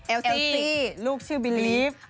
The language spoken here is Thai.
เซลซี่ลูกชื่อบิลลีฟ